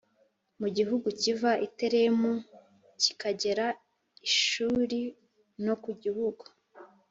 mu gihugu kiva i Telamu e kikagera i Shuri f no ku gihugu